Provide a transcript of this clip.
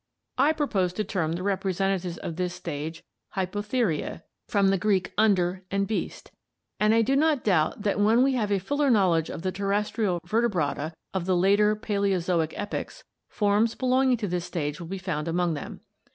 I propose to term the representatives of this stage Hypotheria [Gr. wo, under, and 0yp, beast] and I do not doubt that when we have a fuller knowledge of the terrestrial Vertebrata of the later Paleozoic epochs, forms belonging to this stage will be found among them.